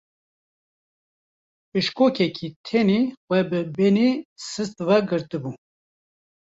Bişkokeke tenê xwe bi benê sist ve girtibû.